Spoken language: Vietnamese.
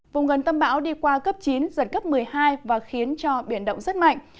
vùng gần tâm bão đi qua cấp chín giật cấp một mươi hai và khiến cho biển động rất mạnh